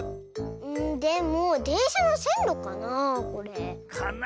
んでもでんしゃのせんろかなこれ？かな。